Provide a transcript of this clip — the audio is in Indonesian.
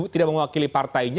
tidak mengwakili partainya